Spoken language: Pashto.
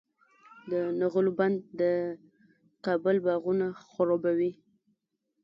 د نغلو بند د کابل باغونه خړوبوي.